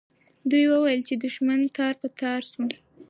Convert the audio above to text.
دوی وویل چې دښمن تار په تار سو.